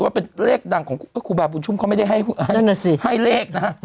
ว่าเป็นเลขดังของพระครูบาบุญชุมเขาไม่ได้ให้เลขนะฮะ